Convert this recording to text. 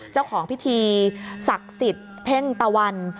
เจ้าของพิธีศักดิ์สิทธิ์เพ่งตะวัน